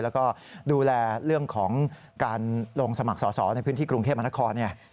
แล้วก็ดูแลเรื่องของการลงสมัครสอสอในพื้นที่กรุงเทพมนครเนี่ย